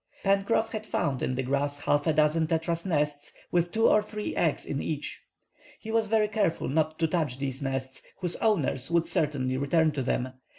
Pencroff had found in the grass half a dozen tetras nests, with two or three eggs in each. He was very careful not to touch these nests, whose owners would certainly return to them.